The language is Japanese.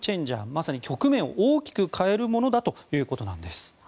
まさに局面を大きく変えるものだということです。